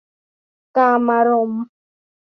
กามารมณ์